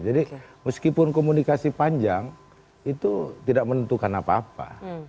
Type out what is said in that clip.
jadi meskipun komunikasi panjang itu tidak menentukan apa apa